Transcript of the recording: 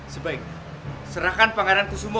sebaiknya serahkan pangeran kusumo